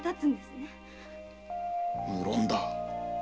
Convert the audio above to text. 無論だ。